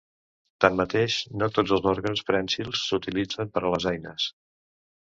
Tanmateix, no tots els òrgans prènsils s'utilitzen per a les eines.